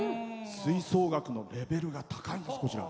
吹奏楽のレベルが高いと。